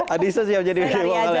adisa siap jadi backing vokalnya